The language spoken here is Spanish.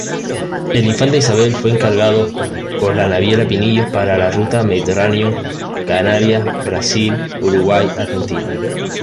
El "Infanta Isabel" fue encargado por la Naviera Pinillos para la ruta Mediterráneo-Canarias-Brasil-Uruguay-Argentina.